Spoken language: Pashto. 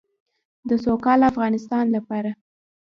د سوکاله افغانستان لپاره.